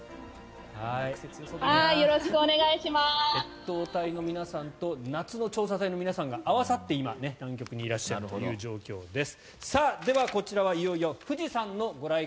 越冬隊の皆さんと夏の調査隊の皆さんが合わさって今、南極にいらっしゃるという状況です。